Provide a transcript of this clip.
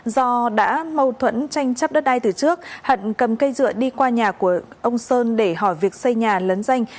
do đã mâu thuẫn tranh chấp đất đai từ trước hận cầm cây dựa đi qua nhà của ông sơn để hỏi việc xây nhà lấn danh